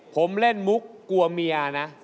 ผมเล่นมุกกลัวเมียนะ